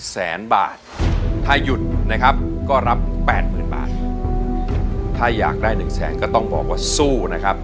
แสนบาทถ้าหยุดนะครับก็รับแปดหมื่นบาทถ้าอยากได้หนึ่งแสนก็ต้องบอกว่าสู้นะครับ